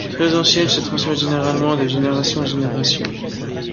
Très anciens, ils se transmettent généralement de générations en générations.